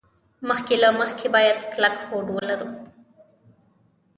مخکې له مخکې باید کلک هوډ ولري.